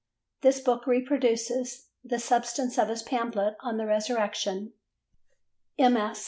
This book reproduces—the substance of his pamphlet on the resurrection: MS.